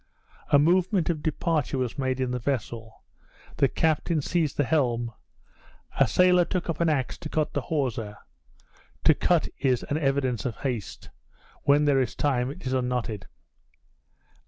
A movement of departure was made in the vessel: the captain seized the helm, a sailor took up an axe to cut the hawser to cut is an evidence of haste; when there is time it is unknotted.